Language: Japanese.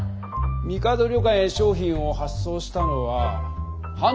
みかど旅館へ商品を発送したのは半年前。